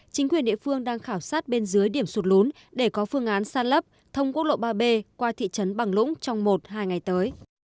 chính quyền địa phương đang khảo sát bên dưới điểm sụt lún để có phương án san lấp thông quốc lộ ba b qua thị trấn bằng lũng trong một hai ngày tới